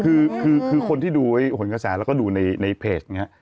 คือคนที่ดูหนกระแสแล้วก็ดูในเพจอย่างนี้